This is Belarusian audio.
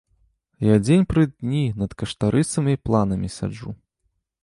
Я дзень пры дні над каштарысамі і планамі сяджу.